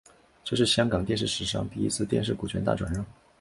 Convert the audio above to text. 这是香港电视史上第一次电视股权大转让。